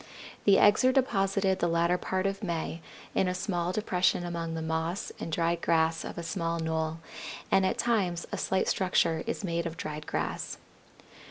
The eggs are deposited the latter part of May in a small depression among the moss and dried grass of a small knoll, and at times a slight structure is made of dried grass.